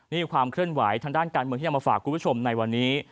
นี่ความเคลื่อนไหวทางด้านการเมืองที่จะมาฝากคุณผู้ชมในวันนี้